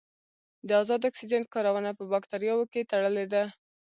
د ازاد اکسیجن کارونه په باکتریاوو کې تړلې ده.